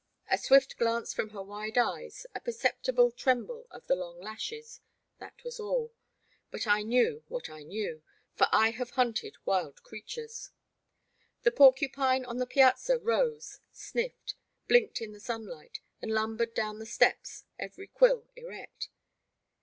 A swift glance from her wide eyes, a percep tible tremble of the long lashes — that was all ; but I knew what I knew, for I have hunted wild creatures. The porcupine on the piazza rose, sniffed, blinked in the sunlight, and lumbered down the steps, every quill erect.